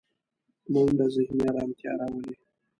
منډه ذهني ارامتیا راولي